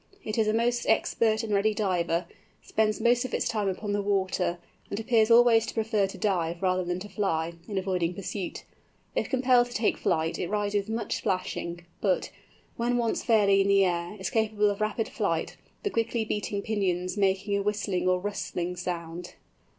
It is a most expert and ready diver, spends most of its time upon the water, and appears always to prefer to dive, rather than to fly, in avoiding pursuit. If compelled to take wing, it rises with much splashing: but, when once fairly in the air, is capable of rapid flight, the quickly beating pinions making a whistling or rustling sound.